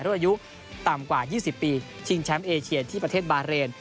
รุ่นอายุต่ำกว่า๒๐ปีชิงแชมป์เอเชียที่ประเทศบาเรน